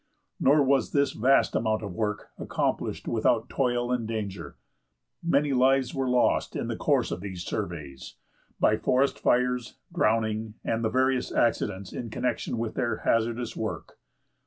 Nor was this vast amount of work accomplished without toil and danger. Many lives were lost in the course of these surveys, by forest fires, drowning, and the various accidents in connection with their hazardous work.